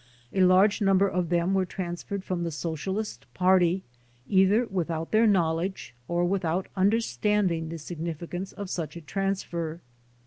A large number of them were transferred from the So cialist Party either without their knowledge or without understanding the significance of such a transfer.